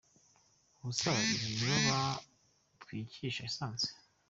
Ubuse aba babiri ni bo bantwikisha essence ?”.